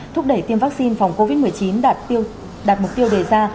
thúc đẩy tiêm vaccine phòng covid một mươi chín đạt mục tiêu đề ra